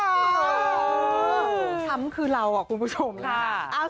ช้ำคือเหล่าคุณผู้ชมค่ะ